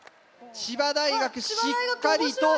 千葉大学しっかりと。